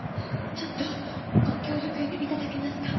ちょっとご協力頂けますか？